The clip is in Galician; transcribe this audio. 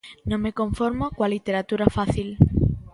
Non me conformo coa literatura fácil.